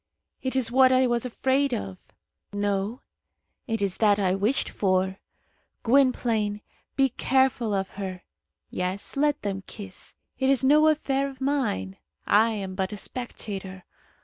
It is what I was afraid of. No; it is that I wished for. Gwynplaine, be careful of her. Yes, let them kiss; it is no affair of mine. I am but a spectator.